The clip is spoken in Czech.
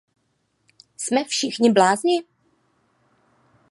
Jsme všichni blázni?